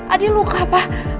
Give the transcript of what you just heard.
adi luka pak